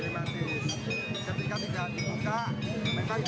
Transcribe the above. dan saat ini